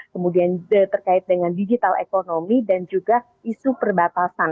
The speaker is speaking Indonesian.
kemudian terkait dengan digital ekonomi dan juga isu perbatasan